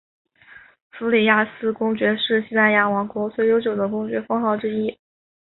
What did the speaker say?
弗里亚斯公爵是西班牙王国最悠久的公爵封号之一。